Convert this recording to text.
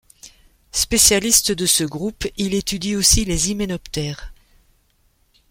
Spécialiste de ce groupe, il étudie aussi les hyménoptères.